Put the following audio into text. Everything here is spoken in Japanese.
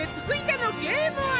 続いてのゲーム